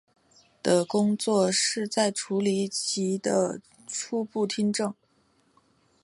的工作是在处理及的初步听证。